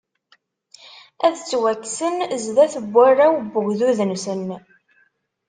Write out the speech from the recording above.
Ad ttwakksen zdat n warraw n ugdud-nsen.